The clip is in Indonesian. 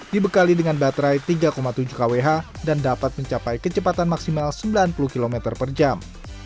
dibekali dengan baterai tiga tujuh kwh dan dapat mencapai kecepatan maksimal sembilan puluh km per jam